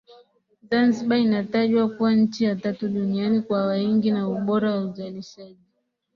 Zanzibar inatajwa kuwa nchi ya tatu duniani kwa waingi na ubora wa uzalishaji